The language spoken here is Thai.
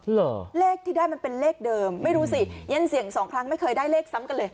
เหรอเลขที่ได้มันเป็นเลขเดิมไม่รู้สิเย็นเสี่ยงสองครั้งไม่เคยได้เลขซ้ำกันเลย